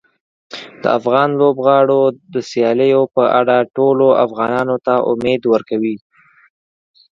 د افغان لوبغاړو د سیالیو په اړه ټولو افغانانو ته امید ورکوي.